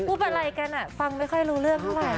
พูดอะไรกันฟังไม่ค่อยรู้เรื่องเท่าไหร่